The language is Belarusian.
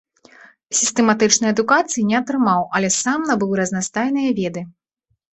Сістэматычнай адукацыі не атрымаў, але сам набыў разнастайныя веды.